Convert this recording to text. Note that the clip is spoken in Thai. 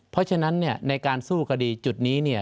เพราะฉะนั้นในการสู้คดีจุดนี้